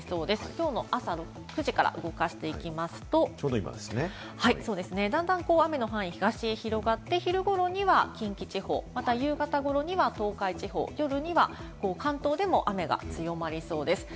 きょうの朝９時から動かしていきますと、だんだん雨の範囲が東に広がって昼頃には近畿地方、また夕方頃には東海地方、夜には関東でも雨が強まりそうです。